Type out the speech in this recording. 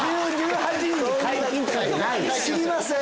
知りません。